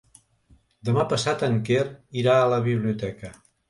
Demà passat en Quer irà a la biblioteca.